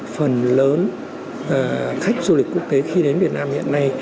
phần lớn khách du lịch quốc tế khi đến việt nam hiện nay